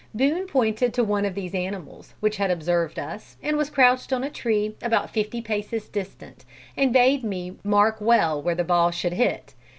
Boone pointed to one of these animals, which had observed us and was crouched on a tree, about fifty paces distant, and bade me mark well where the ball should hit.